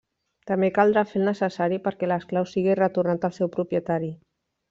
També caldrà fer el necessari perquè l'esclau sigui retornat al seu propietari.